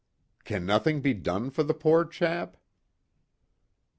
"Can nothing be done for the poor chap?"